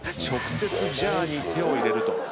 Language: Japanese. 直接ジャーに手を入れると。